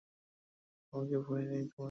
আমাকে ভয় নেই তোমার?